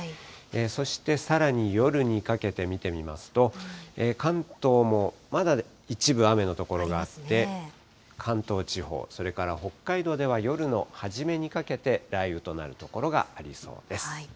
そして、さらに夜にかけて見てみますと、関東もまだ一部雨の所があって、関東地方、それから北海道では夜の初めにかけて、雷雨となる所がありそうです。